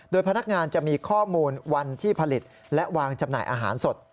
โดยพนักงานจะมีข้อมูลวันที่ผลิตและวางจำหน่ายอาหารสด